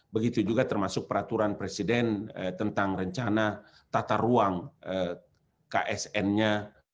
begitu juga termasuk peraturan presiden tentang rencana tata ruang ksn nya